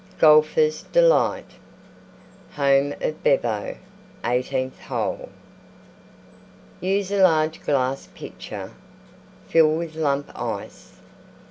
GOLFER'S DELIGHT Home of Bevo 18th Hole. Use a large glass Pitcher; fill with Lump Ice.